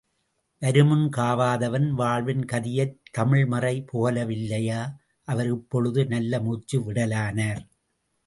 வருமுன் காவாதான் வாழ்வின் கதியைத் தமிழ்மறை புகலவில்லையா?... அவர் இப்பொழுது நல்லமூச்சு விடலானார்.